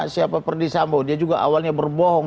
siapa perdisambo dia juga awalnya berbohong